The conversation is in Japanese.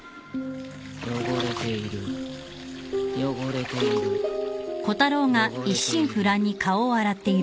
汚れている汚れている。